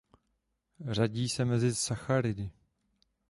Řadí se mezi sacharidy.